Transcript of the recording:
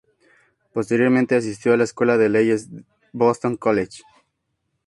Posteriormente asistió a la escuela de leyes Boston College.